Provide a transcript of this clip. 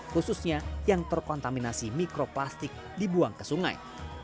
khususnya yang terkontaminasi mikroplastik dibuang ke sungai